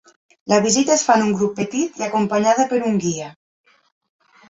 La visita es fa en un grup petit i acompanyada per un guia.